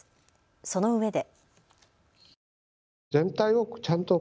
そのうえで。